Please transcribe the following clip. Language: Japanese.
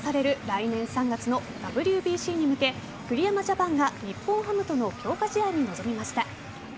来年３月のＷＢＣに向け栗山ジャパンが日本ハムとの強化試合に臨みました。